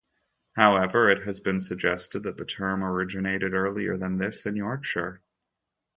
However, it has been suggested that the term originated earlier than this, in Yorkshire.